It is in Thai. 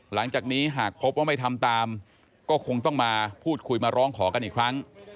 หลังจากนี้หากพบว่าไม่ทำตามก็คงต้องมาพูดคุยมาร้องขอกันอีกครั้ง